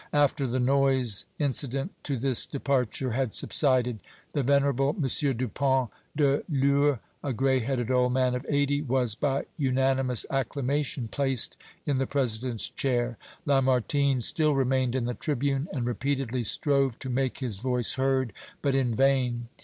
After the noise incident to this departure had subsided, the venerable M. Dupont de l'Eure, a gray headed old man of eighty, was, by unanimous acclamation, placed in the President's chair. Lamartine still remained in the tribune, and repeatedly strove to make his voice heard, but in vain.